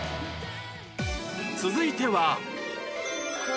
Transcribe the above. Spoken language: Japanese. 続いては